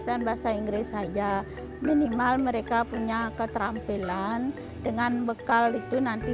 dan bahasa inggris saja minimal mereka punya keterampilan dengan bekal itu nanti